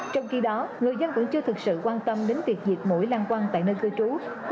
trong khi đó người dân vẫn chưa thực sự quan tâm đến việc diệt mũi lan quăng tại nơi cư trú